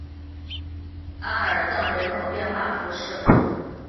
阿尔藏人口变化图示